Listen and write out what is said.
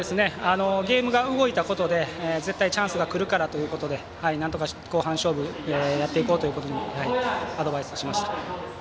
ゲームが動いたことで絶対チャンスがくるからということでなんとか、後半勝負やっていこうということでアドバイスしました。